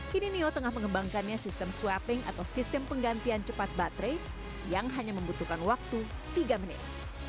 kini nio tengah mengembangkannya sistem swapping atau sistem penggantian cepat baterai yang hanya membutuhkan waktu tiga menit